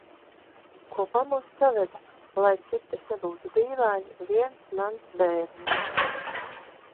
Kopā mūs saveda, lai cik tas nebūtu dīvaini, viens mans bērniņš.